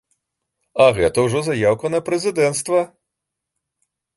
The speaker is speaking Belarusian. А гэта ўжо заяўка на прэзідэнцтва!